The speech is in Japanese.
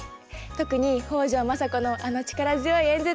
特に北条政子のあの力強い演説。